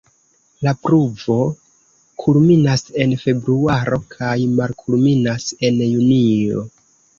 La pluvo kulminas en februaro kaj malkulminas en junio.